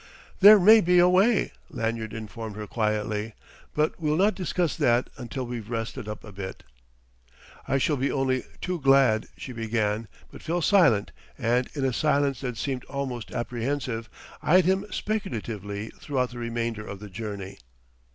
"There may be a way," Lanyard informed her quietly; "but we'll not discuss that until we've rested up a bit." "I shall be only too glad " she began, but fell silent and, in a silence that seemed almost apprehensive, eyed him speculatively throughout the remainder of the journey.